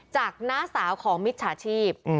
น้าสาวของมิจฉาชีพ